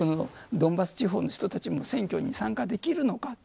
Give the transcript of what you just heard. ドンバス地方の人たちも選挙に参加できるのか。